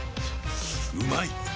うまい！